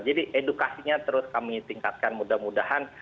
jadi edukasinya terus kami tingkatkan mudah mudahan